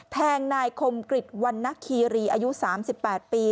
แทงนายคมกริจวันนคีรีอายุ๓๘ปี